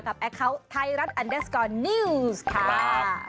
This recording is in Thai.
กับแอคเคิตไทยรัฐอันเดสกอร์นิวส์ค่ะ